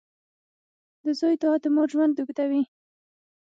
• د زوی دعا د مور ژوند اوږدوي.